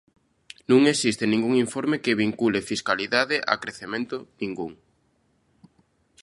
Non existe ningún informe que vincule fiscalidade a crecemento, ningún.